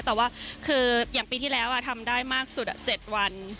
แต่ว่าคืออย่างปีที่แล้วทำได้มากสุด๗วัน